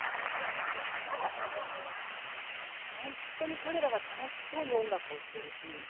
本当に彼らが楽しそうに音楽をしているし。